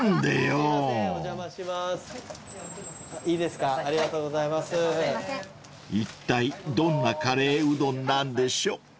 ［いったいどんなカレーうどんなんでしょう？］